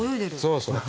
そうそう。